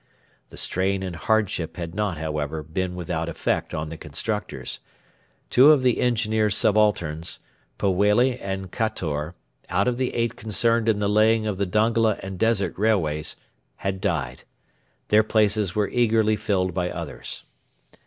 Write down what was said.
The strain and hardship had not, however, been without effect on the constructors. Two of the Engineer subalterns Polwhele and Cator out of the eight concerned in the laying of the Dongola and the Desert railways had died. Their places were eagerly filled by others.